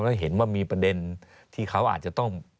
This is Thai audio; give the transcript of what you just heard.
แล้วเห็นว่ามีประเด็นที่เขาอาจจะต้อง